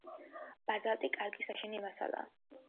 ბაზალტი კარგი საშენი მასალაა.